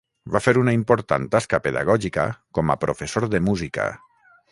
Va fer una important tasca pedagògica com a professor de música.